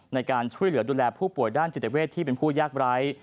ในการช่วยเหลือดูแลผู้ป่วยด้านจิตเวทที่เป็นผู้ยากไร้